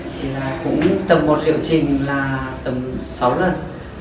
thì là cũng tầm vọt liệu trình là tầm sáu lần